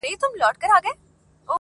پر يارانو شنې پيالې ډكي له مُلو-